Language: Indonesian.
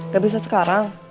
gak bisa sekarang